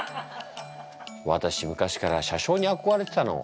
私昔から車掌にあこがれてたの。